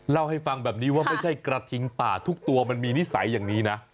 เล่าให้ฟังแบบนี้ว่าไม่ใช่กระทิงป่าทุกตัวมันมีนิสัยอย่างนี้นะ